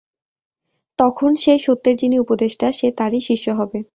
তখন সেই সত্যের যিনি উপদেষ্টা, সে তাঁরই শিষ্য হবে।